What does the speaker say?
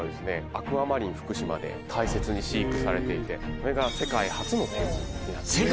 「アクアマリンふくしま」で大切に飼育されていてこれが世界初の展示になってますね